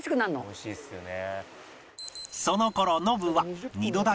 「おいしいですよね」